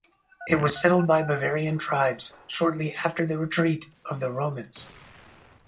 It was settled by Bavarian tribes shortly after the retreat of the Romans.